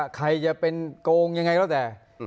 ใครจะเป็นโกงยังไงแล้วแต่